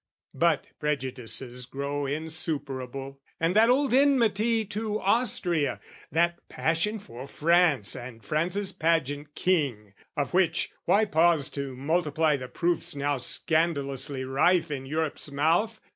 "But prejudices grow insuperable, "And that old enmity to Austria, that "Passion for France and France's pageant king "(Of which, why pause to multiply the proofs "Now scandalously rife in Europe's mouth?)